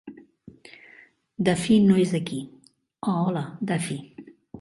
Duffy no és aquí... Oh, hola, Duffy.